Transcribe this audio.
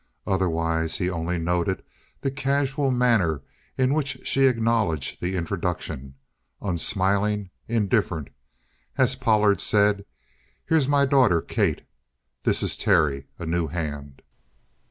Otherwise, he only noted the casual manner in which she acknowledged the introduction, unsmiling, indifferent, as Pollard said: "Here's my daughter Kate. This is Terry a new hand."